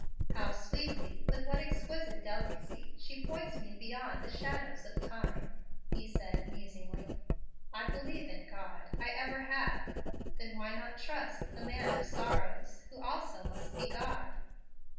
"How sweetly with what exquisite delicacy she points me beyond the shadows of time!" he said, musingly. "I believe in God. I ever have. Then why not trust the 'Man of Sorrows,' who also must be God?